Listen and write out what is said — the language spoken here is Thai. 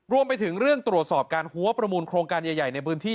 รวมไปถึงเรื่องตรวจสอบการหัวประมูลโครงการใหญ่ในพื้นที่